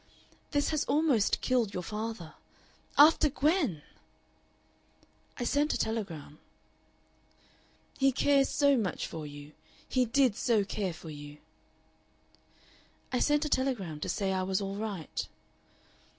"This has almost killed your father.... After Gwen!" "I sent a telegram." "He cares so much for you. He did so care for you." "I sent a telegram to say I was all right."